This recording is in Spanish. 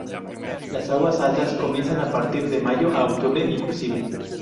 Las aguas altas comienzan a partir de mayo a octubre inclusive.